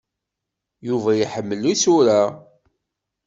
Yuba iḥemmel isura.